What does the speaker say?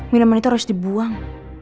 minuman itu harus dibuang